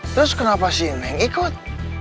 terus kenapa sih neng ikut